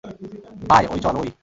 বায়, ওয় চল, ওয়।